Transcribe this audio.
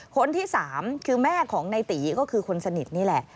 คนที่๓คือแม่ของในตีก็คือคนสนิทนี่แหละ